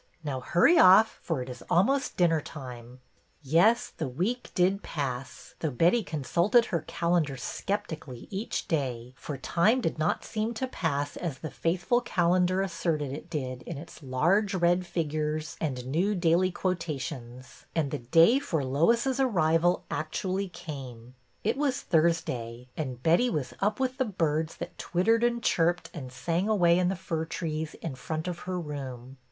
Now hurry off, for it is almost dinner time." 56 BETTY BAIRD'S VENTURES Yes, the week did pass, though Betty consulted her calendar skeptically each day, for Time did not seem to pass as the faithful calendar asserted it did in its large red figures and new daily quota tions, and the day for Lois's arrival actually came. It was Thursday, and Betty was up with the birds that twittered and chirped and sang away in the fir trees in front of her room.